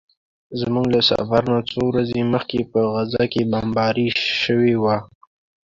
زموږ له سفر نه څو ورځې مخکې په غزه کې بمباري شوې وه.